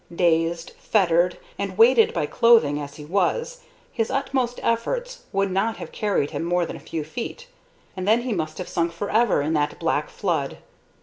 Dazed, fettered, and weighted by clothing as he was, his utmost efforts would not have carried him more than a few feet, and then he must have sunk forever in that black flood.